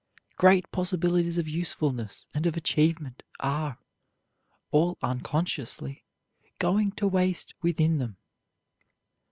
Great possibilities of usefulness and of achievement are, all unconsciously, going to waste within them.